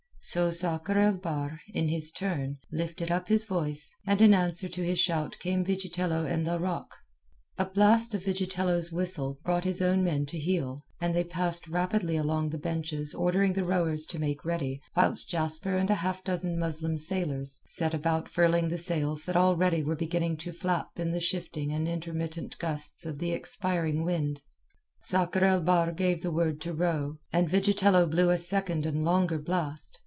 So Sakr el Bahr, in his turn, lifted up his voice, and in answer to his shout came Vigitello and Larocque. A blast of Vigitello's whistle brought his own men to heel, and they passed rapidly along the benches ordering the rowers to make ready, whilst Jasper and a half dozen Muslim sailors set about furling the sails that already were beginning to flap in the shifting and intermittent gusts of the expiring wind. Sakr el Bahr gave the word to row, and Vigitello blew a second and longer blast.